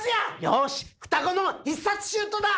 よし双子の必殺シュートだ！